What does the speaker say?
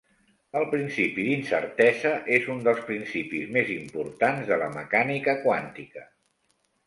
El principi d'incertesa és un dels principis més importants de la mecànica quàntica.